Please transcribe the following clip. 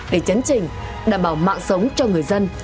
để chấn trình đảm bảo mạng sống cho người dân